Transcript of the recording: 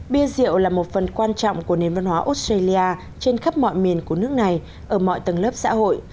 bia rượu là một phần quan trọng của nền văn hóa australia trên khắp mọi miền của nước này ở mọi tầng lớp xã hội